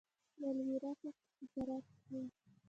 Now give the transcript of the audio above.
د الوویرا کښت په فراه کې شوی